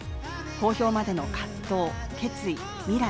公表までの葛藤、決意、未来。